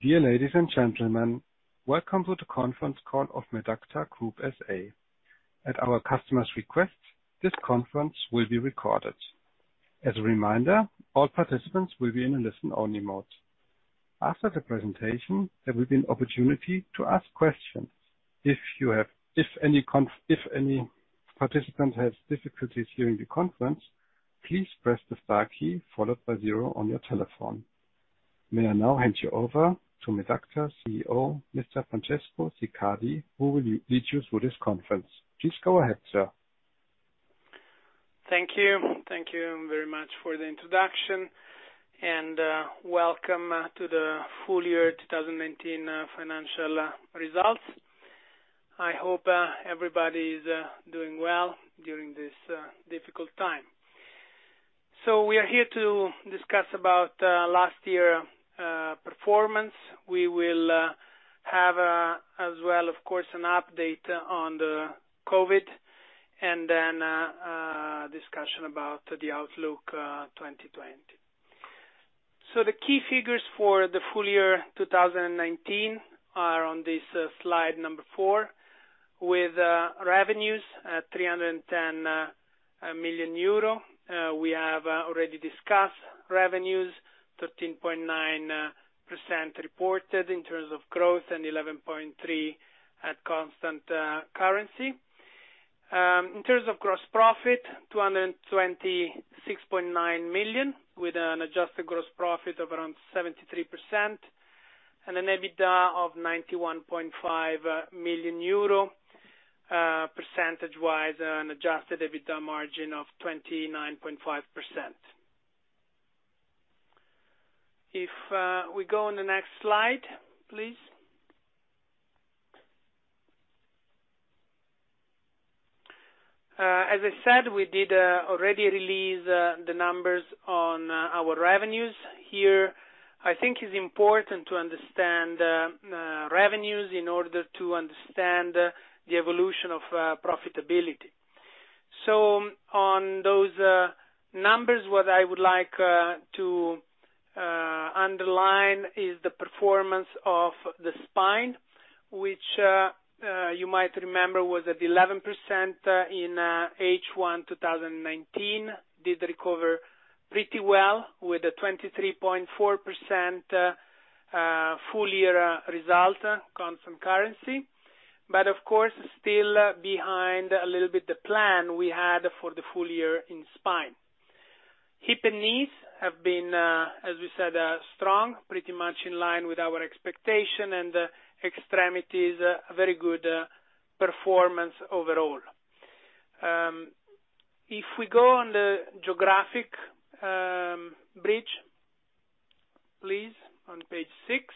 Dear ladies and gentlemen, welcome to the conference call of Medacta Group SA. At our customer's request, this conference will be recorded. As a reminder, all participants will be in a listen-only mode. After the presentation, there will be an opportunity to ask questions. If any participant has difficulties hearing the conference, please press the star key followed by zero on your telephone. May I now hand you over to Medacta's CEO, Mr. Francesco Siccardi, who will lead you through this conference. Please go ahead, sir. Thank you. Thank you very much for the introduction. Welcome to the full year 2019 financial results. I hope everybody's doing well during this difficult time. We are here to discuss about last year performance. We will have, as well, of course, an update on the COVID, then a discussion about the outlook 2020. The key figures for the full year 2019 are on this slide number four, with revenues at 310 million euro. We have already discussed revenues, 13.9% reported in terms of growth and 11.3% at constant currency. In terms of gross profit, 226.9 million, with an adjusted gross profit of around 73%, an EBITDA of 91.5 million euro. Percentage-wise, an adjusted EBITDA margin of 29.5%. If we go on the next slide, please. As I said, we did already release the numbers on our revenues. Here, I think it's important to understand revenues in order to understand the evolution of profitability. On those numbers, what I would like to underline is the performance of the spine, which, you might remember, was at 11% in H1 2019. Did recover pretty well with a 23.4% full-year result constant currency. Of course, still behind a little bit the plan we had for the full year in spine. Hip and knees have been, as we said, strong, pretty much in line with our expectation, and extremities, a very good performance overall. If we go on the geographic bridge, please, on page six.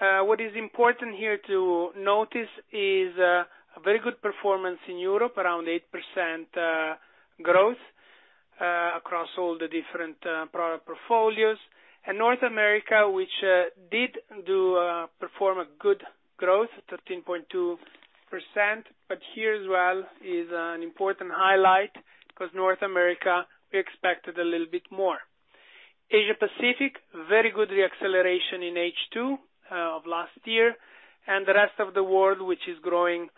What is important here to notice is a very good performance in Europe, around 8% growth, across all the different product portfolios. North America, which did perform a good growth, 13.2%, but here as well is an important highlight, because North America, we expected a little bit more. Asia Pacific, very good re-acceleration in H2 of last year, and the rest of the world, which is growing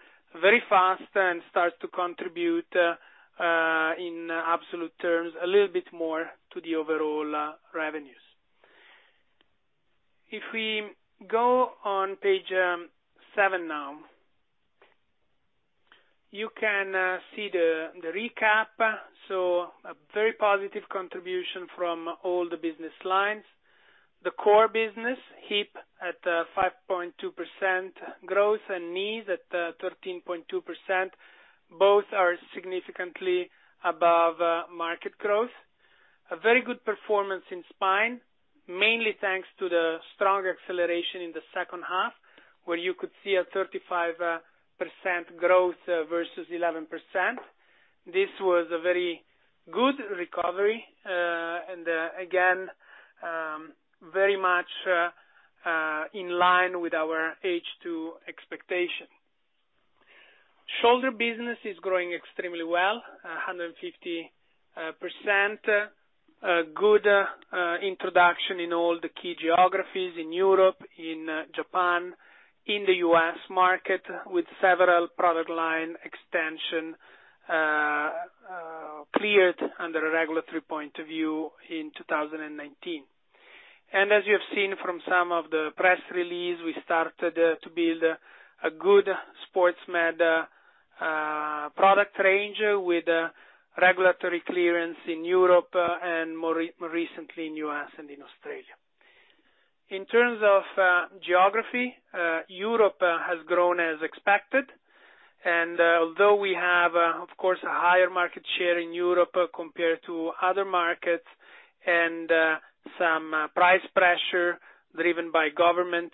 very fast and starts to contribute, in absolute terms, a little bit more to the overall revenues. If we go on page seven now. You can see the recap. A very positive contribution from all the business lines. The core business, hip, at 5.2% growth, and knees at 13.2%. Both are significantly above market growth. A very good performance in spine, mainly thanks to the strong acceleration in the second half, where you could see a 35% growth versus 11%. This was a very good recovery, and again, very much in line with our H2 expectation. Shoulder business is growing extremely well, 150%. A good introduction in all the key geographies in Europe, in Japan, in the U.S. market, with several product line extension cleared under a regulatory point of view in 2019. As you have seen from some of the press release, we started to build a good SportsMed product range with regulatory clearance in Europe and more recently in the U.S. and in Australia. In terms of geography, Europe has grown as expected, and although we have, of course, a higher market share in Europe compared to other markets and some price pressure driven by government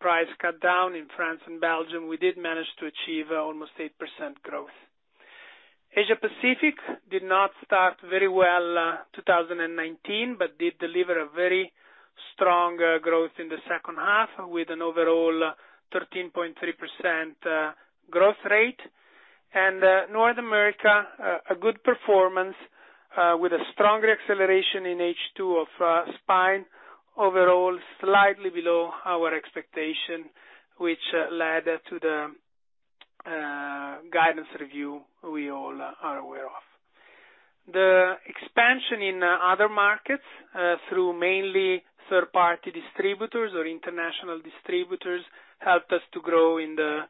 price cut down in France and Belgium, we did manage to achieve almost 8% growth. Asia Pacific did not start very well 2019, but did deliver a very strong growth in the second half with an overall 13.3% growth rate. North America, a good performance, with a stronger acceleration in H2 of spine. Overall, slightly below our expectation, which led to the guidance review we all are aware of. The expansion in other markets, through mainly third-party distributors or international distributors, helped us to grow in the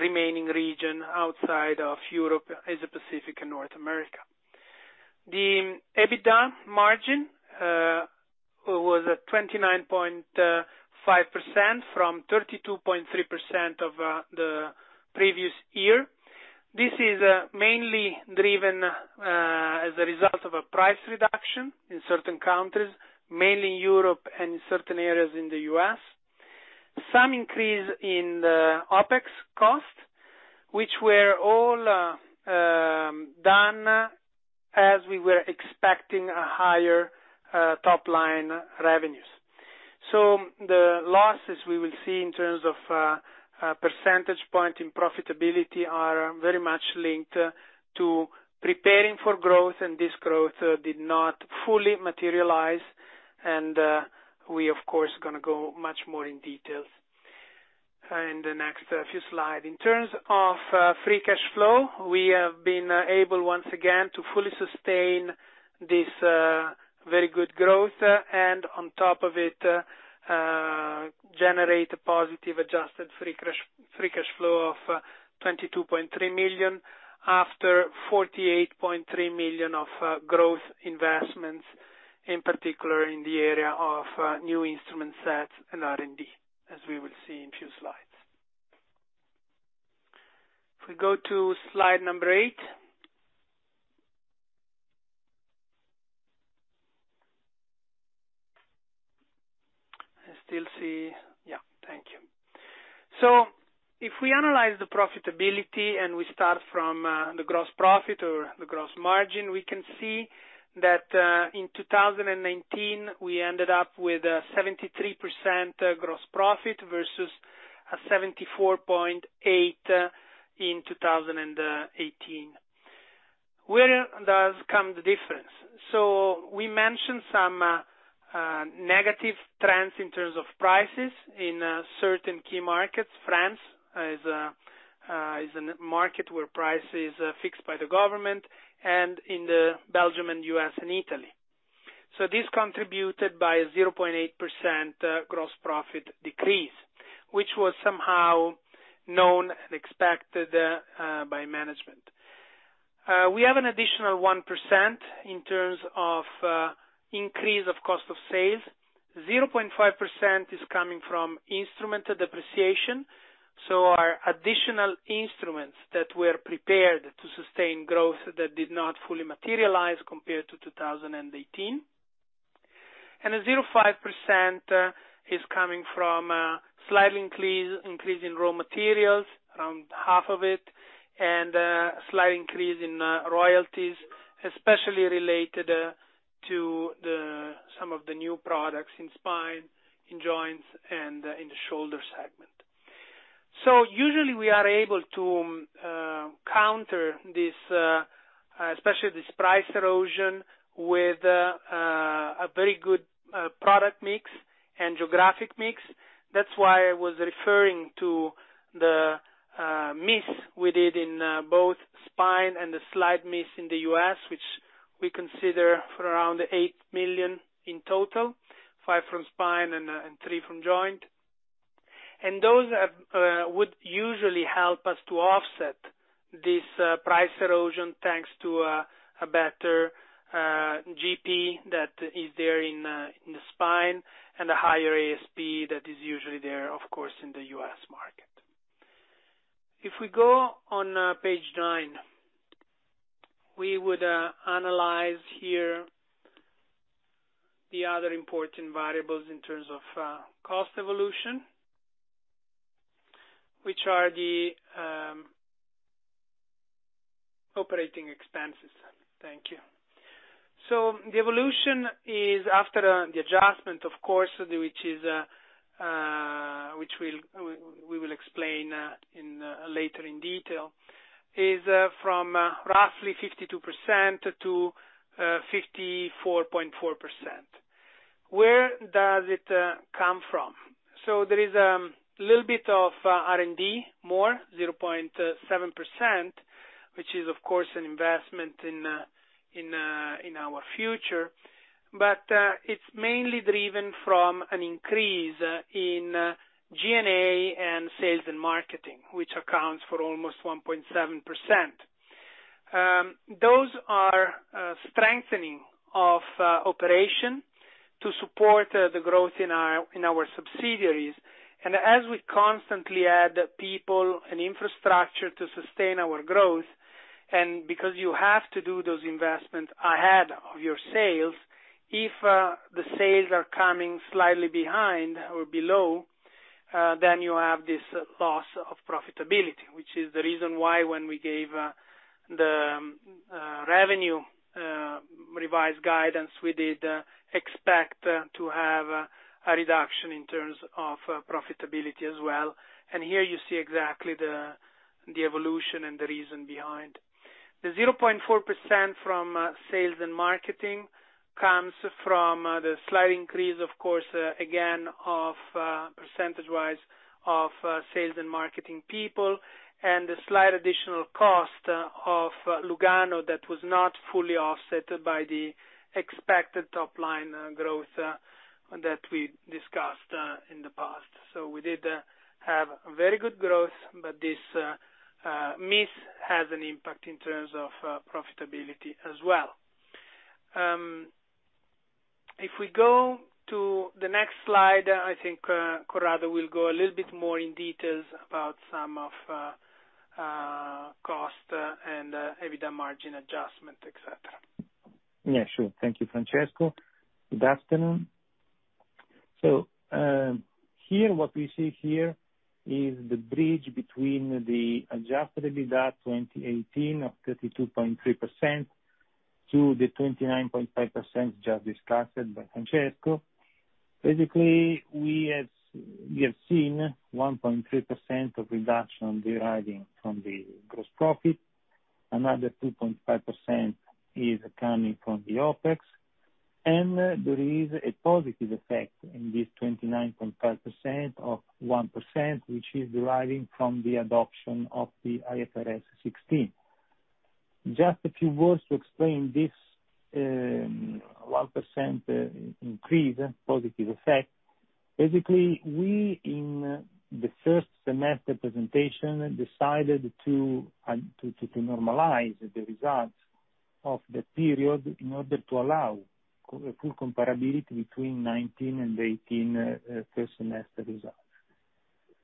remaining regions outside of Europe, Asia Pacific, and North America. The EBITDA margin was at 29.5% from 32.3% of the previous year. This is mainly driven as a result of a price reduction in certain countries, mainly Europe and certain areas in the U.S. Some increase in the OpEx costs, which were all done as we were expecting a higher top-line revenues. The losses we will see in terms of percentage point in profitability are very much linked to preparing for growth, and this growth did not fully materialize, and we, of course, are going to go much more in detail in the next few slides. In terms of free cash flow, we have been able, once again, to fully sustain this very good growth, and on top of it, generate a positive adjusted free cash flow of 22.3 million, after 48.3 million of growth investments, in particular in the area of new instrument sets and R&D, as we will see in a few slides. If we go to slide number eight. I still see Yeah, thank you. If we analyze the profitability and we start from the gross profit or the gross margin, we can see that, in 2019, we ended up with a 73% gross profit versus a 74.8% in 2018. Where does come the difference? We mentioned some negative trends in terms of prices in certain key markets. France is a market where price is fixed by the government, and in the Belgium and U.S. and Italy. This contributed by a 0.8% gross profit decrease, which was somehow known and expected by management. We have an additional 1% in terms of increase of cost of sales. 0.5% is coming from instrumented depreciation, so our additional instruments that were prepared to sustain growth that did not fully materialize compared to 2018. A 0.5% is coming from a slight increase in raw materials, around half of it, and a slight increase in royalties, especially related to some of the new products in spine, in joints, and in the shoulder segment. Usually we are able to counter, especially this price erosion, with a very good product mix and geographic mix. That's why I was referring to the miss we did in both spine and the slight miss in the U.S., which we consider for around 8 million in total, 5 million from spine and 3 million from joint. Those would usually help us to offset this price erosion, thanks to a better GP that is there in the spine and a higher ASP that is usually there, of course, in the U.S. market. If we go on page nine, we would analyze here the other important variables in terms of cost evolution, which are the operating expenses. Thank you. The evolution is after the adjustment, of course, which we will explain later in detail, is from roughly 52% to 54.4%. Where does it come from? There is a little bit of R&D, more, 0.7%, which is, of course, an investment in our future. It's mainly driven from an increase in G&A and sales and marketing, which accounts for almost 1.7%. Those are strengthening of operation to support the growth in our subsidiaries. As we constantly add people and infrastructure to sustain our growth, and because you have to do those investments ahead of your sales, if the sales are coming slightly behind or below, then you have this loss of profitability, which is the reason why when we gave the revenue revised guidance, we did expect to have a reduction in terms of profitability as well. Here you see exactly the evolution and the reason behind. The 0.4% from sales and marketing comes from the slight increase, of course, again, percentage-wise of sales and marketing people, and the slight additional cost of Lugano that was not fully offset by the expected top line growth that we discussed in the past. We did have very good growth, but this miss has an impact in terms of profitability as well. If we go to the next slide, I think Corrado will go a little bit more in details about some of cost and EBITDA margin adjustment, et cetera. Yeah, sure. Thank you, Francesco. Good afternoon. Here what we see here is the bridge between the Adjusted EBITDA 2018 of 32.3% to the 29.5% just discussed by Francesco. We have seen 1.3% of reduction deriving from the gross profit. Another 2.5% is coming from the OpEx, and there is a positive effect in this 29.5% of 1%, which is deriving from the adoption of the IFRS 16. Just a few words to explain this 1% increase, positive effect. We, in the first semester presentation, decided to normalize the results of the period in order to allow full comparability between 2019 and 2018 first semester results.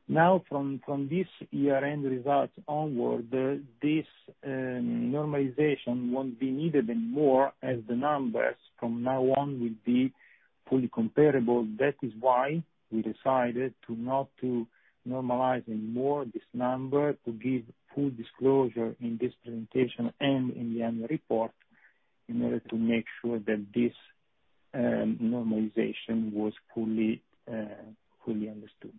From this year-end results onward, this normalization won't be needed anymore as the numbers from now on will be fully comparable. That is why we decided to not to normalize anymore this number to give full disclosure in this presentation and in the annual report in order to make sure that this normalization was fully understood.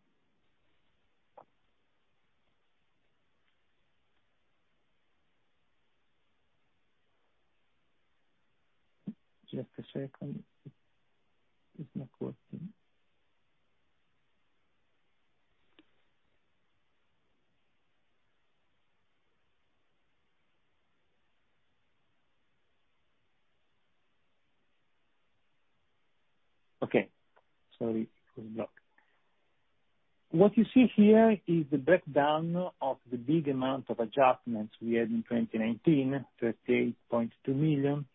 What you see here is the breakdown of the big amount of adjustments we had in 2019, 38.2 million.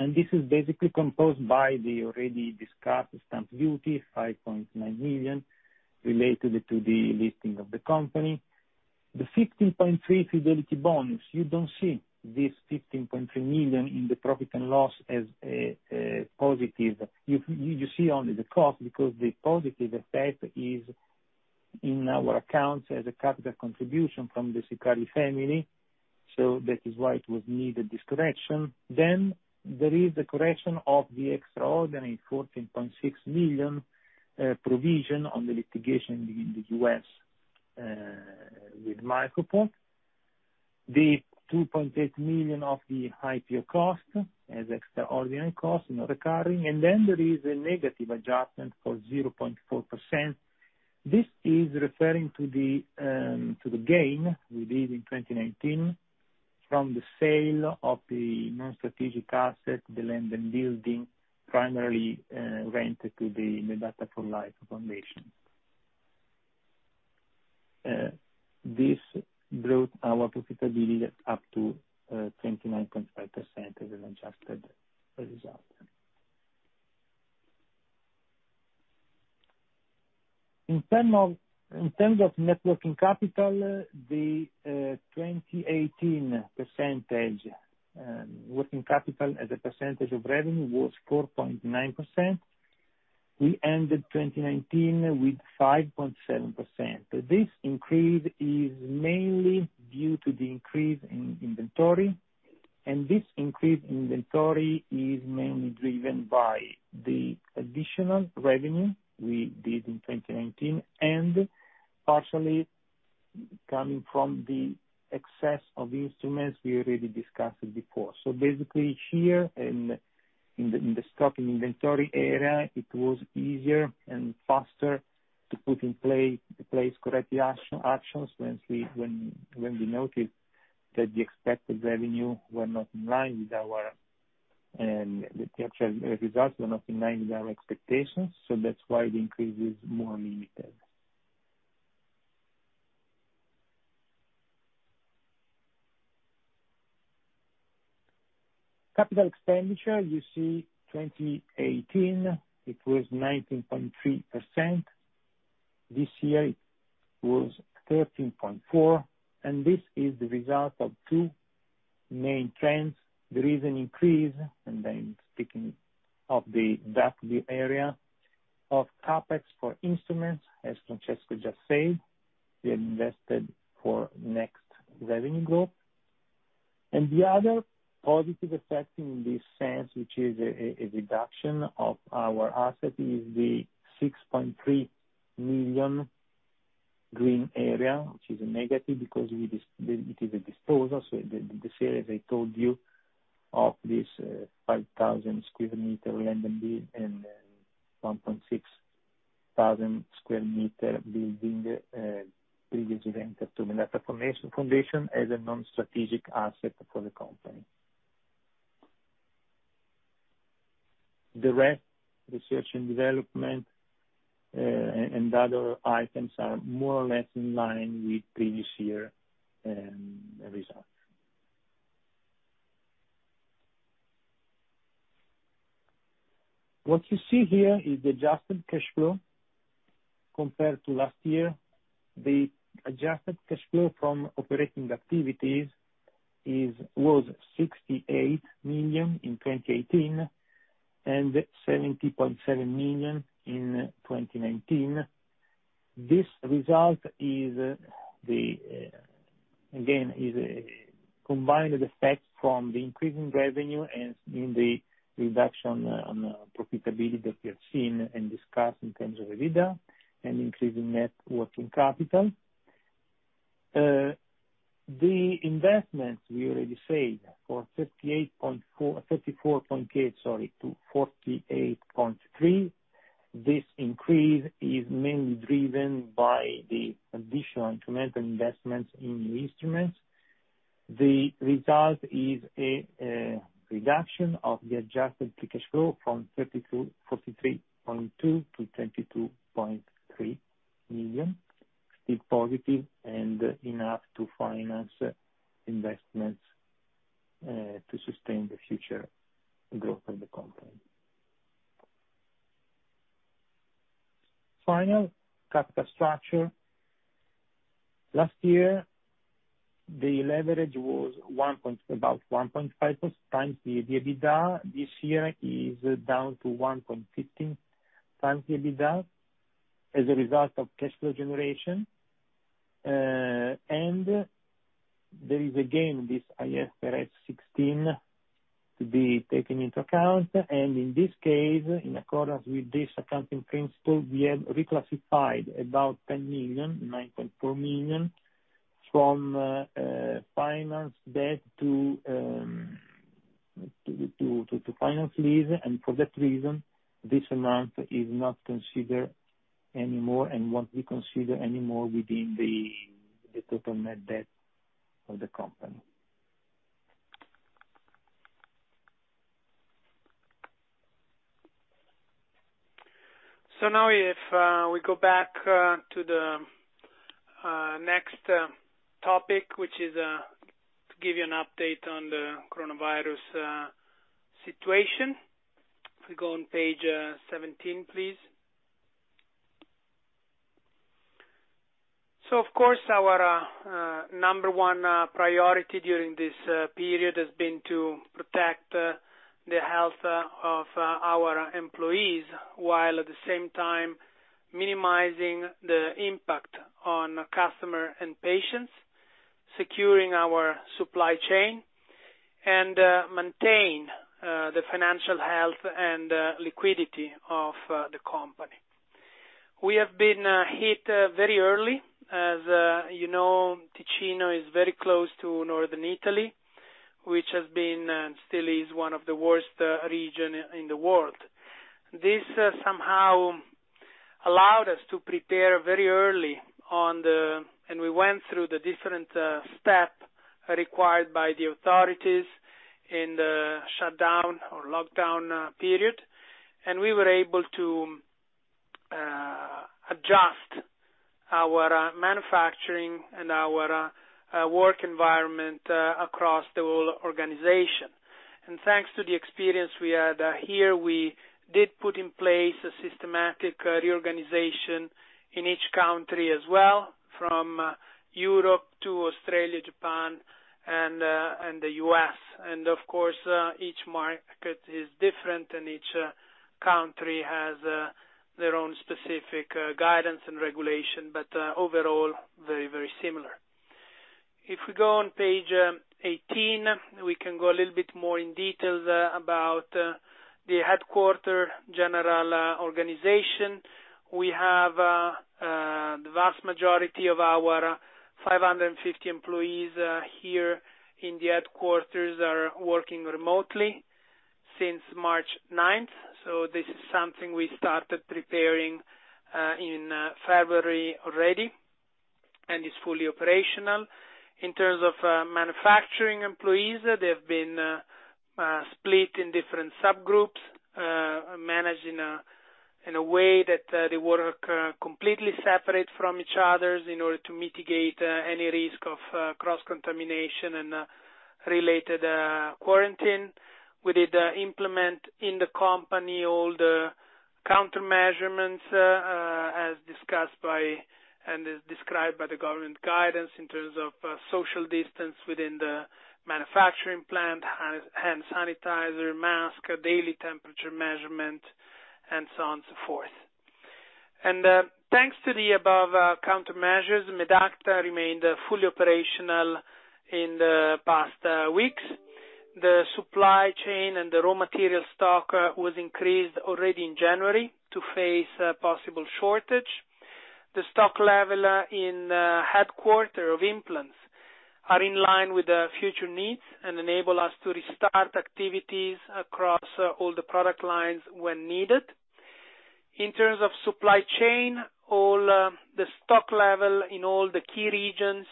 This is basically composed by the already discussed stamp duty, 5.9 million, related to the listing of the company. The 15.3 fidelity bonds, you do not see this 15.3 million in the profit and loss as a positive. You see only the cost because the positive effect is in our accounts as a capital contribution from the Siccardi family. That is why it was needed, this correction. There is the correction of the extraordinary 14.6 million provision on the litigation in the U.S. with MicroPort. The 2.8 million of the IPO cost as extraordinary cost, not recurring. There is a negative adjustment for 0.4%. This is referring to the gain we did in 2019 from the sale of the non-strategic asset, the London building, primarily rented to the Medacta for Life Foundation. This brought our profitability up to 29.5% as an adjusted result. In terms of net working capital, the 2018 percentage, working capital as a percentage of revenue was 4.9%. We ended 2019 with 5.7%. This increase is mainly due to the increase in inventory, and this increase in inventory is mainly driven by the additional revenue we did in 2019 and partially coming from the excess of instruments we already discussed before. Basically here, in the stock and inventory area, it was easier and faster to put in place corrective actions when we noticed that the expected revenue were not in line with our. The actual results were not in line with our expectations. That's why the increase is more limited. Capital expenditure, you see 2018, it was 19.3%. This year, it was 13.4%, this is the result of two main trends. There is an increase, I'm speaking of the [DACH] area of CapEx for instruments, as Francesco just said, we invested for next revenue growth. The other positive effect in this sense, which is a reduction of our asset, is the 6.3 million green area, which is a negative because it is a disposal. The sale, as I told you, of this 5,000 square meter land and building, and 1,600 square meter building, previously rented to Medacta Foundation as a non-strategic asset for the company. The rest, research and development, and other items are more or less in line with previous year results. What you see here is the adjusted cash flow compared to last year. The adjusted cash flow from operating activities was 68 million in 2018 and 70.7 million in 2019. This result, again, is a combined effect from the increasing revenue and in the reduction on profitability that we have seen and discussed in terms of EBITDA and increase in net working capital. The investments, we already said, for 34.8-48.3, this increase is mainly driven by the additional instrumental investments in new instruments. The result is a reduction of the adjusted free cash flow from 43.2 to 22.3 million. Still positive and enough to finance investments to sustain the future growth of the company. Final capital structure. Last year, the leverage was about 1.5x the EBITDA. This year is down to 1.15x the EBITDA as a result of cash flow generation. There is again, this IFRS 16 to be taken into account, and in this case, in accordance with this accounting principle, we have reclassified about 10 million, 9.4 million, from finance debt to finance lease. For that reason, this amount is not considered anymore and won't be considered anymore within the total net debt of the company. Now if we go back to the next topic, which is to give you an update on the coronavirus situation. If we go on page 17, please. Of course, our number one priority during this period has been to protect the health of our employees, while at the same time minimizing the impact on customer and patients, securing our supply chain, and maintain the financial health and liquidity of the company. We have been hit very early. As you know, Ticino is very close to Northern Italy, which has been, and still is, one of the worst region in the world. This somehow allowed us to prepare very early, and we went through the different step required by the authorities in the shutdown or lockdown period. We were able to adjust our manufacturing and our work environment across the whole organization. Thanks to the experience we had here, we did put in place a systematic reorganization in each country as well, from Europe to Australia, Japan, and the U.S. Of course, each market is different and each country has their own specific guidance and regulation, but overall, very similar. If we go on page 18, we can go a little bit more in details about the headquarter general organization. We have the vast majority of our 550 employees here in the headquarters are working remotely since March 9th. This is something we started preparing in February already and is fully operational. In terms of manufacturing employees, they've been split in different subgroups, managed in a way that they work completely separate from each others in order to mitigate any risk of cross-contamination and related quarantine. We did implement in the company all the countermeasures discussed by and is described by the government guidance in terms of social distance within the manufacturing plant, hand sanitizer, mask, daily temperature measurement, and so on, so forth. Thanks to the above countermeasures, Medacta remained fully operational in the past weeks. The supply chain and the raw material stock was increased already in January to face a possible shortage. The stock level in headquarter of implants are in line with the future needs and enable us to restart activities across all the product lines when needed. In terms of supply chain, all the stock level in all the key regions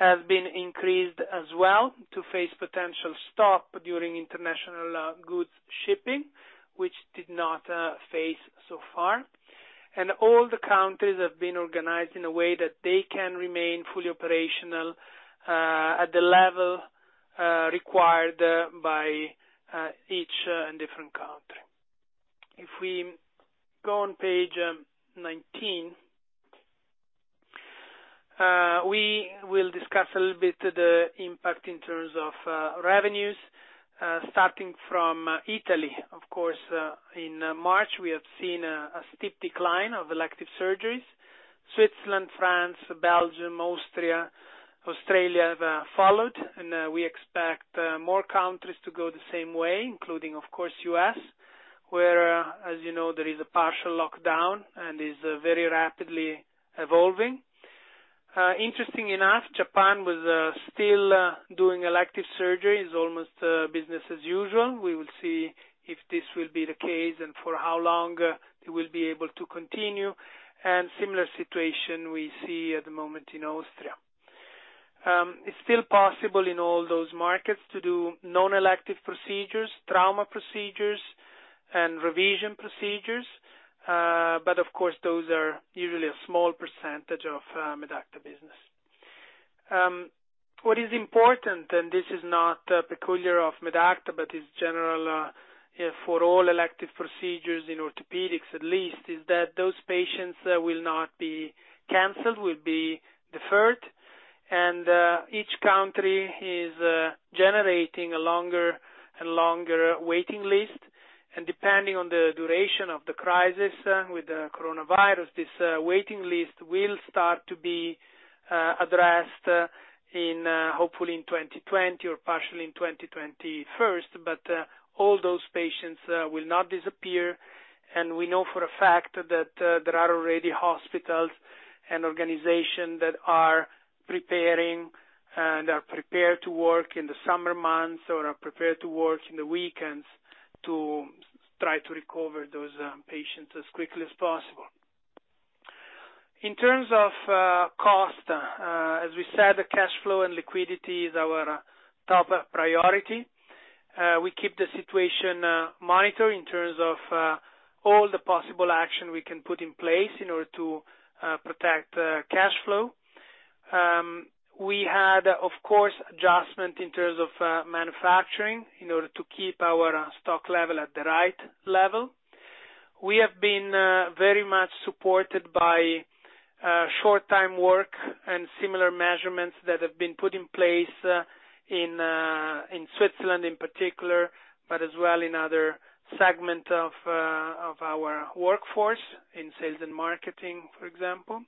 have been increased as well to face potential stop during international goods shipping, which did not face so far. All the countries have been organized in a way that they can remain fully operational, at the level required by each different country. If we go on page 19, we will discuss a little bit the impact in terms of revenues. Starting from Italy, of course, in March, we have seen a steep decline of elective surgeries. Switzerland, France, Belgium, Austria, Australia have followed, and we expect more countries to go the same way, including, of course, U.S., where, as you know, there is a partial lockdown and is very rapidly evolving. Interesting enough, Japan was still doing elective surgeries, almost business as usual. We will see if this will be the case and for how long it will be able to continue. Similar situation we see at the moment in Austria. It's still possible in all those markets to do non-elective procedures, trauma procedures, and revision procedures. Of course, those are usually a small percentage of Medacta business. What is important, and this is not peculiar of Medacta, but is general for all elective procedures in orthopedics at least, is that those patients will not be canceled, will be deferred. Each country is generating a longer and longer waiting list. Depending on the duration of the crisis with the coronavirus, this waiting list will start to be addressed, hopefully in 2020 or partially in 2021. All those patients will not disappear. We know for a fact that there are already hospitals and organization that are preparing and are prepared to work in the summer months or are prepared to work in the weekends to try to recover those patients as quickly as possible. In terms of cost, as we said, the cash flow and liquidity is our top priority. We keep the situation monitored in terms of all the possible action we can put in place in order to protect cash flow. We had, of course, adjustment in terms of manufacturing in order to keep our stock level at the right level. We have been very much supported by short-time work and similar measurements that have been put in place in Switzerland in particular, but as well in other segment of our workforce, in sales and marketing, for example.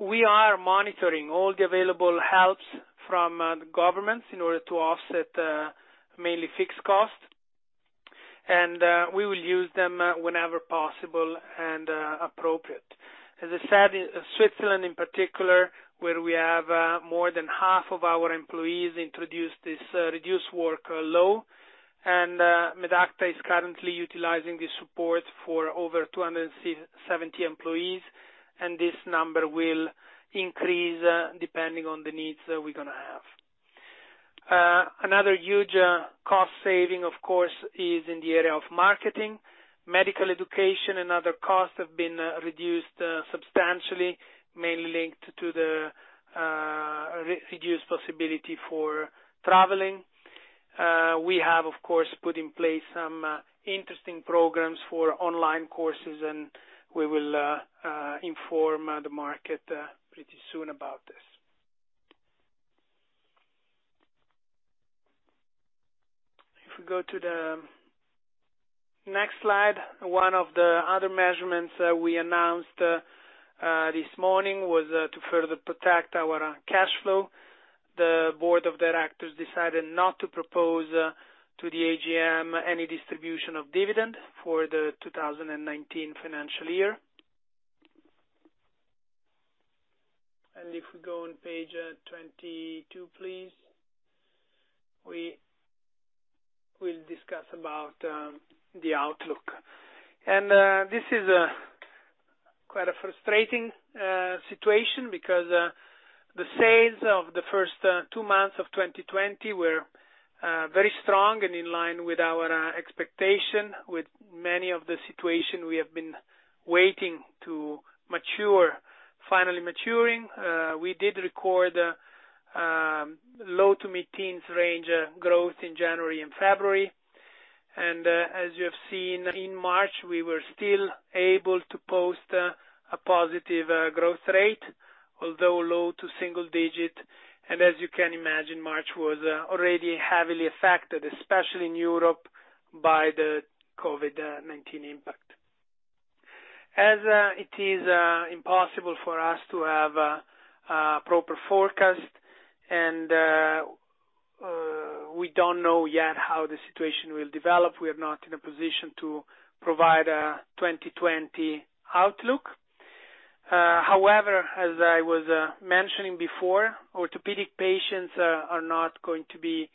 We are monitoring all the available helps from the governments in order to offset mainly fixed costs. We will use them whenever possible and appropriate. As I said, in Switzerland in particular, where we have more than half of our employees introduced this reduced workload, and Medacta is currently utilizing this support for over 270 employees, and this number will increase depending on the needs that we're going to have. Another huge cost saving, of course, is in the area of marketing. Medical education and other costs have been reduced substantially, mainly linked to the reduced possibility for traveling. We have, of course, put in place some interesting programs for online courses, and we will inform the market pretty soon about this. If we go to the next slide. One of the other measurements we announced this morning was to further protect our cash flow. The board of directors decided not to propose to the AGM any distribution of dividend for the 2019 financial year. If we go on page 22, please. We will discuss about the outlook. This is quite a frustrating situation because the sales of the first two months of 2020 were very strong and in line with our expectation. With many of the situation we have been waiting to mature, finally maturing. We did record low to mid-teens range growth in January and February. As you have seen in March, we were still able to post a positive growth rate, although low to single digit. As you can imagine, March was already heavily affected, especially in Europe, by the COVID-19 impact. As it is impossible for us to have a proper forecast, and we don't know yet how the situation will develop. We are not in a position to provide a 2020 outlook. However, as I was mentioning before, orthopedic patients are not going to be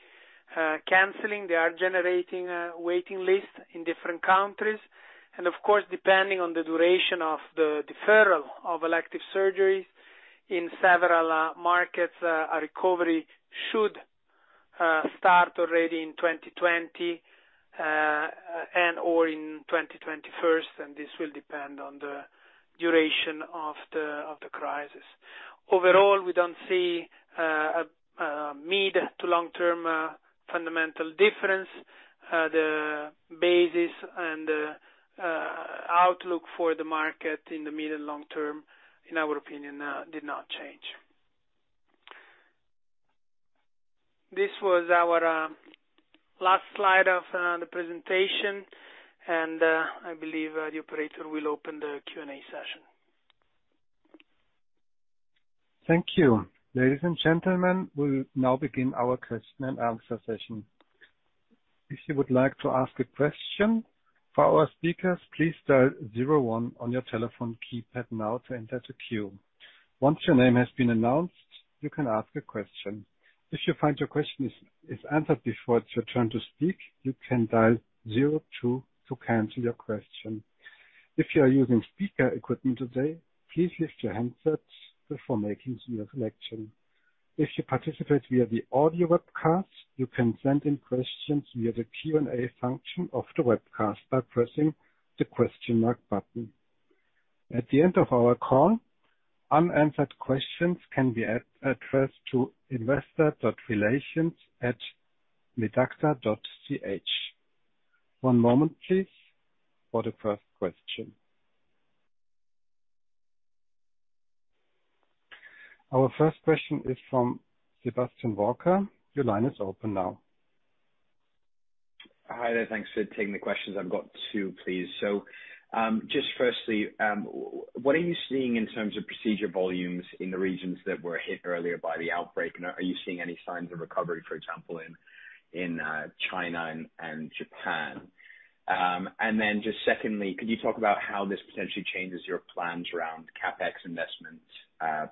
canceling. They are generating waiting lists in different countries. Of course, depending on the duration of the deferral of elective surgeries in several markets, a recovery should start already in 2020, and/or in 2021, and this will depend on the duration of the crisis. Overall, we don't see a mid- to long-term fundamental difference. The basis and the outlook for the market in the mid and long-term, in our opinion, did not change. This was our last slide of the presentation, and I believe the operator will open the Q&A session. Thank you. Ladies and gentlemen, we'll now begin our question-and-answer session. If you would like to ask a question for our speakers, please dial zero one on your telephone keypad now to enter the queue. Once your name has been announced, you can ask a question. If you find your question is answered before it's your turn to speak, you can dial zero two to cancel your question. If you are using speaker equipment today, please lift your handsets before making your selection. If you participate via the audio webcast, you can send in questions via the Q&A function of the webcast by pressing the question mark button. At the end of our call, unanswered questions can be addressed to investor.relations@medacta.ch. One moment please for the first question. Our first question is from Sebastian Walker. Your line is open now. Hi there. Thanks for taking the questions. I've got two, please. Just firstly, what are you seeing in terms of procedure volumes in the regions that were hit earlier by the outbreak? Are you seeing any signs of recovery, for example, in China and Japan? Just secondly, could you talk about how this potentially changes your plans around CapEx investments,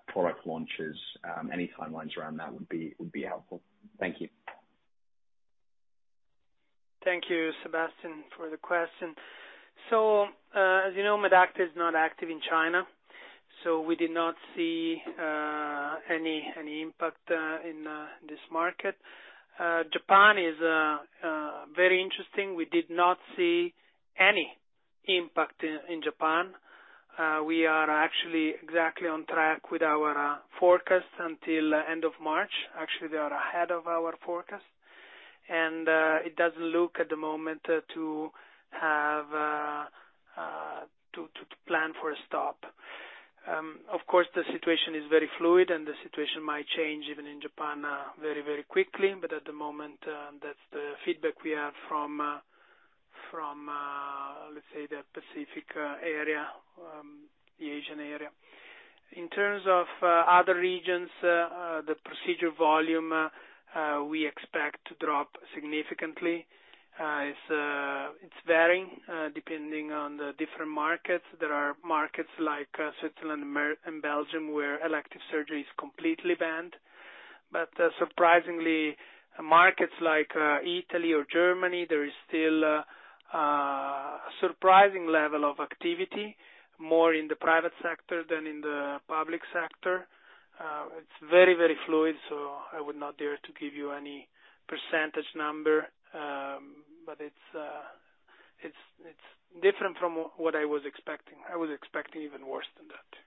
product launches? Any timelines around that would be helpful. Thank you. Thank you, Sebastian, for the question. As you know, Medacta is not active in China, so we did not see any impact in this market. Japan is very interesting. We did not see any impact in Japan. We are actually exactly on track with our forecast until end of March. They are ahead of our forecast. It doesn't look at the moment to plan for a stop. Of course, the situation is very fluid and the situation might change even in Japan very, very quickly. At the moment, that's the feedback we have from, let's say, the Pacific area, the Asian area. In terms of other regions, the procedure volume we expect to drop significantly. It's varying, depending on the different markets. There are markets like Switzerland and Belgium where elective surgery is completely banned. Surprisingly, markets like Italy or Germany, there is still a surprising level of activity, more in the private sector than in the public sector. It's very, very fluid, so I would not dare to give you any percentage number. It's different from what I was expecting. I was expecting even worse than that.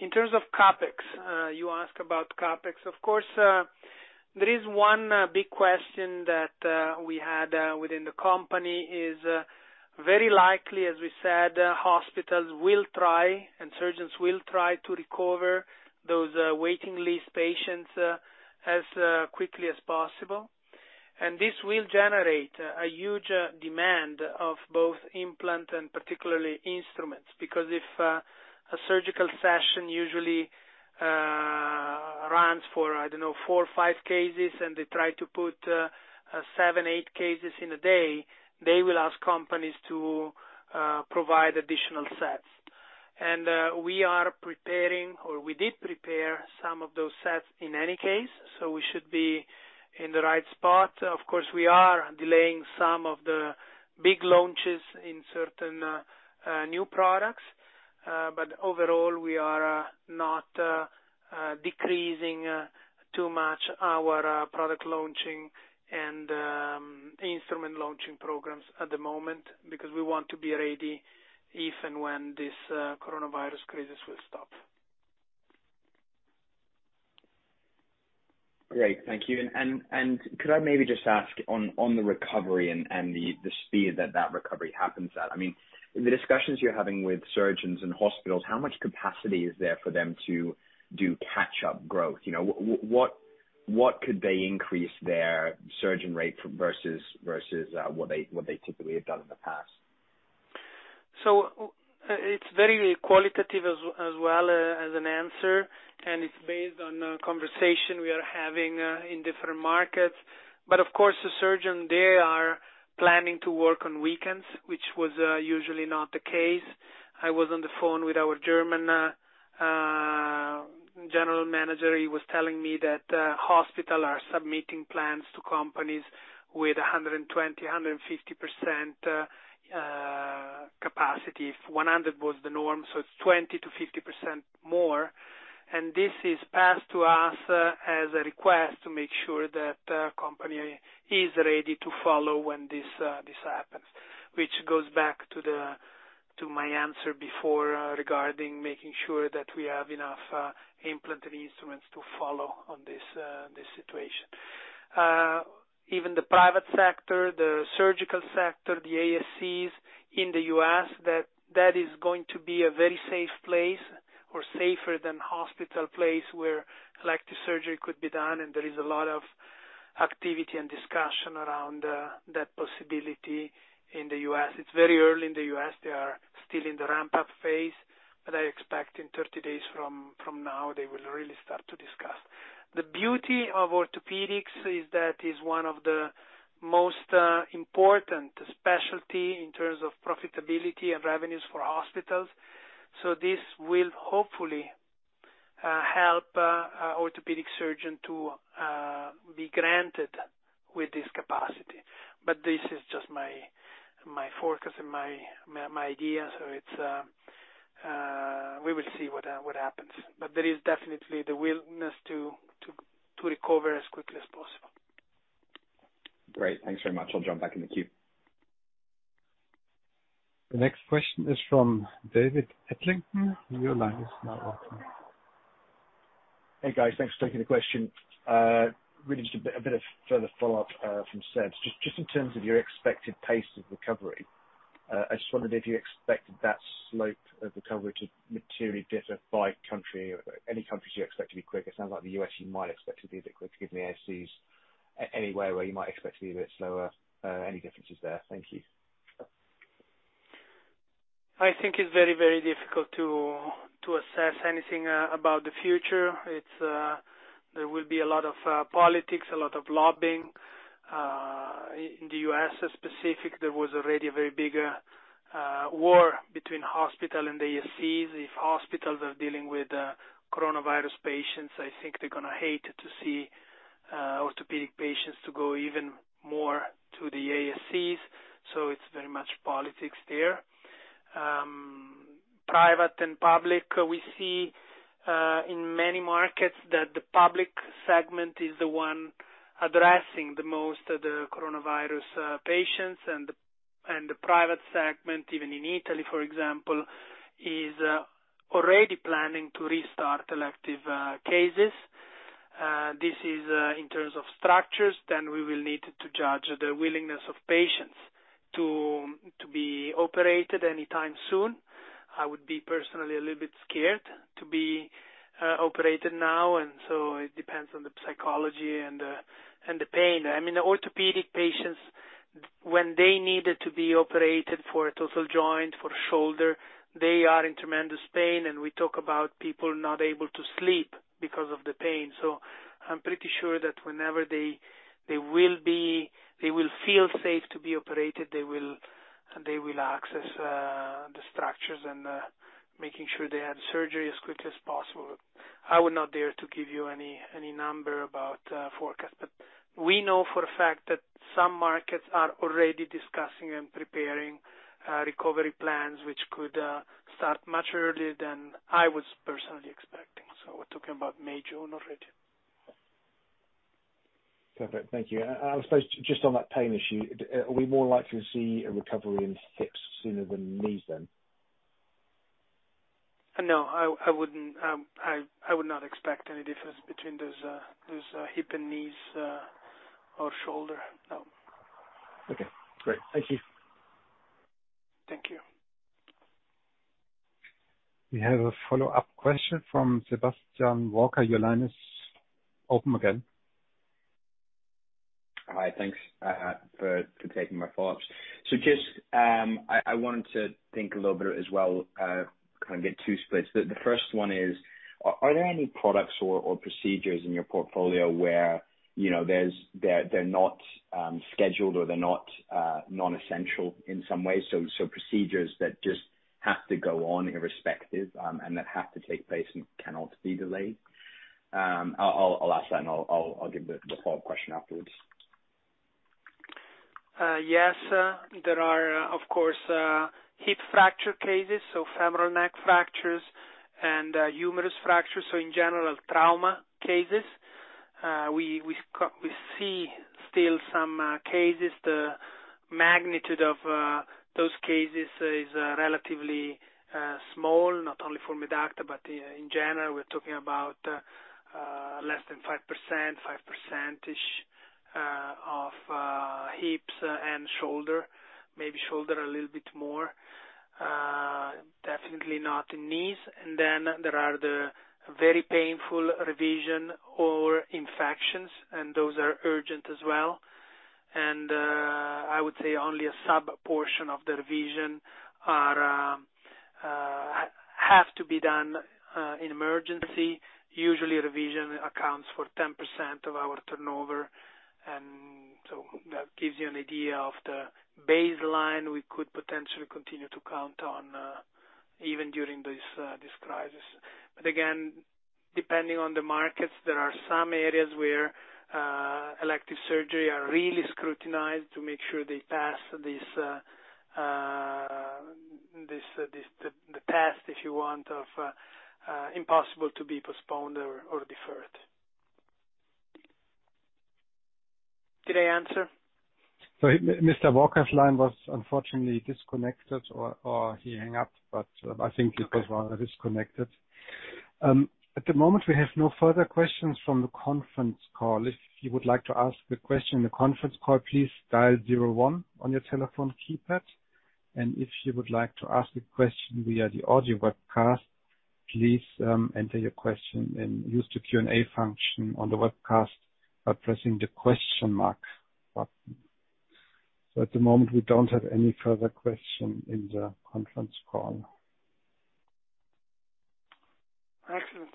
In terms of CapEx, you ask about CapEx. Of course, there is one big question that we had within the company, is very likely, as we said, hospitals will try and surgeons will try to recover those waiting list patients as quickly as possible. This will generate a huge demand of both implant and particularly instruments. If a surgical session usually runs for, I don't know, four or five cases, and they try to put seven, eight cases in a day, they will ask companies to provide additional sets. We are preparing, or we did prepare some of those sets in any case, so we should be in the right spot. Of course, we are delaying some of the big launches in certain new products. Overall, we are not decreasing too much our product launching and instrument launching programs at the moment, because we want to be ready if and when this coronavirus crisis will stop. Great. Thank you. Could I maybe just ask on the recovery and the speed that recovery happens at? In the discussions you're having with surgeons and hospitals, how much capacity is there for them to do catch-up growth? What could they increase their surgeon rate versus what they typically have done in the past? It's very qualitative as well as an answer, and it's based on a conversation we are having in different markets. Of course, the surgeon, they are planning to work on weekends, which was usually not the case. I was on the phone with our German general manager. He was telling me that hospital are submitting plans to companies with 120%, 150% capacity. If 100 was the norm, it's 20%-50% more. This is passed to us as a request to make sure that company is ready to follow when this happens. This goes back to my answer before regarding making sure that we have enough implant and instruments to follow on this situation. Even the private sector, the surgical sector, the ASCs in the U.S., that is going to be a very safe place or safer than hospital place where elective surgery could be done, and there is a lot of activity and discussion around that possibility in the U.S. It's very early in the U.S. They are still in the ramp-up phase. I expect in 30 days from now, they will really start to discuss. The beauty of orthopedics is that is one of the most important specialty in terms of profitability and revenues for hospitals. This will hopefully help orthopedic surgeon to be granted with this capacity. This is just my focus and my idea. We will see what happens. There is definitely the willingness to recover as quickly as possible. Great. Thanks very much. I'll jump back in the queue. The next question is from David Adlington. Your line is now open. Hey, guys. Thanks for taking the question. Really just a bit of further follow-up from Seb. Just in terms of your expected pace of recovery, I just wondered if you expected that slope of recovery to materially differ by country or any countries you expect to be quicker? It sounds like the U.S. you might expect to be a bit quicker given the ASCs. Anywhere where you might expect to be a bit slower, any differences there? Thank you. I think it's very, very difficult to assess anything about the future. There will be a lot of politics, a lot of lobbying. In the U.S. specific, there was already a very big war between hospital and ASCs. If hospitals are dealing with coronavirus patients, I think they're going to hate to see orthopedic patients to go even more to the ASCs. It's very much politics there. Private and public, we see in many markets that the public segment is the one addressing the most of the coronavirus patients, and the private segment, even in Italy, for example, is already planning to restart elective cases. This is in terms of structures. We will need to judge the willingness of patients to be operated anytime soon. I would be personally a little bit scared to be operated now. It depends on the psychology and the pain. The orthopedic patients, when they needed to be operated for a total joint, for shoulder, they are in tremendous pain, and we talk about people not able to sleep because of the pain. I'm pretty sure that whenever they will feel safe to be operated, they will access the structures and making sure they had surgery as quickly as possible. I would not dare to give you any number about forecast, but we know for a fact that some markets are already discussing and preparing recovery plans, which could start much earlier than I was personally expecting. We're talking about May, June already. Perfect. Thank you. I suppose, just on that pain issue, are we more likely to see a recovery in hips sooner than knees, then? No, I would not expect any difference between those hip and knees or shoulder. No. Okay, great. Thank you. Thank you. We have a follow-up question from Sebastian Walker. Your line is open again. Hi. Thanks for taking my follow-ups. Just, I wanted to think a little bit as well, kind of get two splits. The first one is, are there any products or procedures in your portfolio where they're not scheduled or they're not non-essential in some way? Procedures that just have to go on irrespective, and that have to take place and cannot be delayed. I'll ask that, and I'll give the follow-up question afterwards. Yes. There are, of course, hip fracture cases, femoral neck fractures and humerus fractures. In general, trauma cases. We see still some cases. The magnitude of those cases is relatively small, not only for Medacta, but in general, we're talking about less than 5%, 5% of hips and shoulder, maybe shoulder a little bit more. Definitely not in knees. There are the very painful revision or infections, and those are urgent as well. Usually, revision accounts for 10% of our turnover, and so that gives you an idea of the baseline we could potentially continue to count on, even during this crisis. Again, depending on the markets, there are some areas where elective surgery is really scrutinized to make sure they pass the test, if you want, of impossible to be postponed or deferred. Did I answer? Mr. Walker's line was unfortunately disconnected, or he hang up, but I think it was rather disconnected. At the moment, we have no further questions from the conference call. If you would like to ask a question in the conference call, please dial zero one on your telephone keypad. If you would like to ask a question via the audio webcast, please enter your question and use the Q&A function on the webcast by pressing the question mark button. At the moment, we don't have any further question in the conference call. Excellent.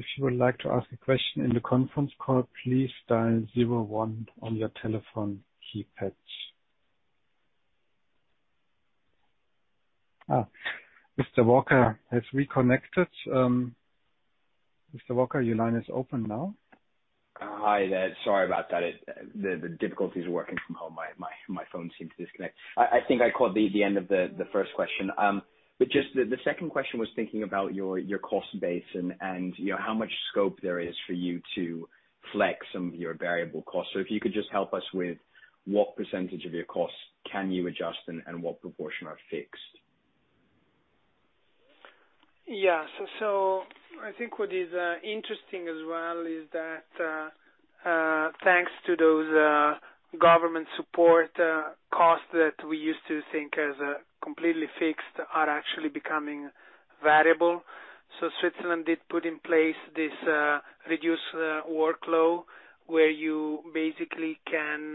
If you would like to ask a question in the conference call, please dial zero one on your telephone keypad. Mr. Walker, have we connected? Mr. Walker, your line is open now. Hi there. Sorry about that. The difficulties of working from home, my phone seemed to disconnect. I think I caught the end of the first question. Just the second question was thinking about your cost base and how much scope there is for you to flex some of your variable costs. If you could just help us with what percentage of your costs can you adjust and what proportion are fixed. I think what is interesting as well is that, thanks to those government support costs that we used to think as completely fixed are actually becoming variable. Switzerland did put in place this reduced workload where you basically can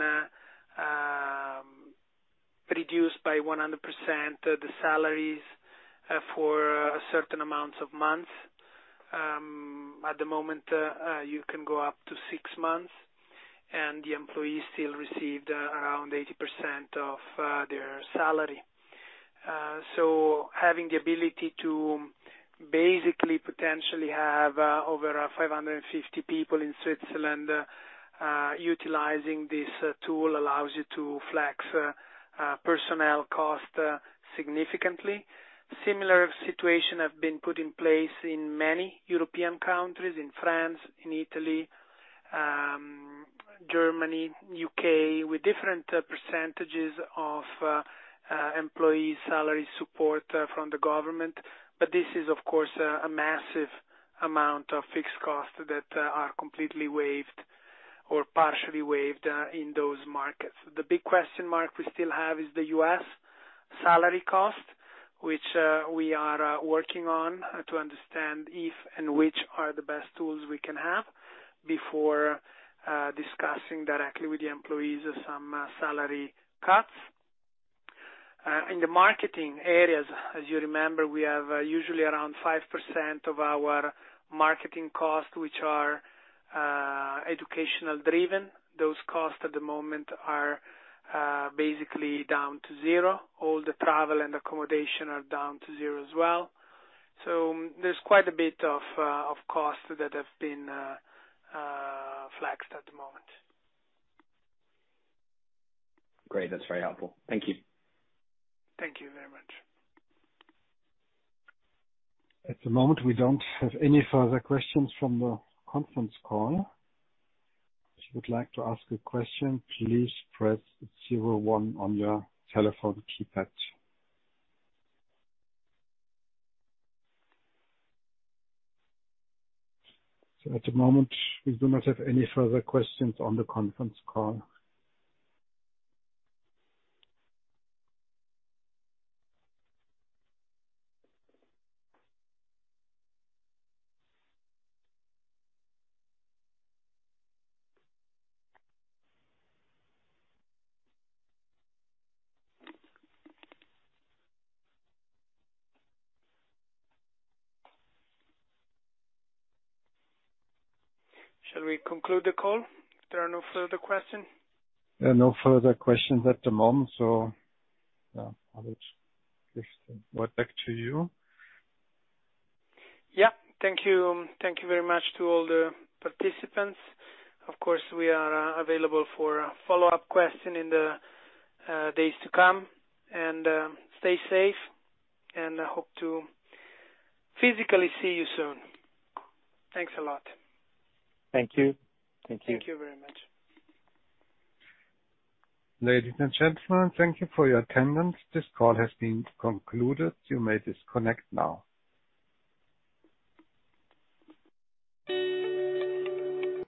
reduce by 100% the salaries for certain amounts of months. At the moment, you can go up to six months, the employee still received around 80% of their salary. Having the ability to basically potentially have over 550 people in Switzerland utilizing this tool allows you to flex personnel cost significantly. Similar situation have been put in place in many European countries, in France, in Italy, Germany, U.K., with different percentages of employee salary support from the government. This is, of course, a massive amount of fixed costs that are completely waived or partially waived in those markets. The big question mark we still have is the U.S. salary cost, which we are working on to understand if and which are the best tools we can have before discussing directly with the employees some salary cuts. In the marketing areas, as you remember, we have usually around 5% of our marketing costs, which are educational-driven. Those costs at the moment are basically down to zero. All the travel and accommodation are down to zero as well. There's quite a bit of costs that have been flexed at the moment. Great. That's very helpful. Thank you. Thank you very much. At the moment, we don't have any further questions from the conference call. If you would like to ask a question, please press zero one on your telephone keypad. At the moment, we do not have any further questions on the conference call. Shall we conclude the call if there are no further questions? There are no further questions at the moment, so Alex, this goes back to you. Yeah. Thank you. Thank you very much to all the participants. Of course, we are available for follow-up question in the days to come. Stay safe, and I hope to physically see you soon. Thanks a lot. Thank you. Thank you very much. Ladies and gentlemen, thank you for your attendance. This call has been concluded. You may disconnect now.